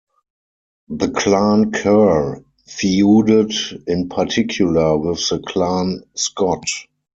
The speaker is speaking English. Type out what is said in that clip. The Clan Kerr feuded in particular with the Clan Scott.